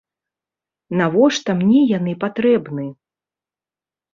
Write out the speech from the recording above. Навошта мне яны патрэбны?